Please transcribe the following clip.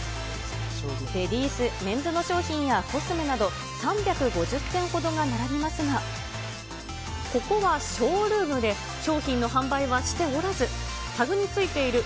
レディース、メンズの商品やコスメなど、３５０点ほどが並びますが、ここはショールームで、商品の販売はしておらず、タグについている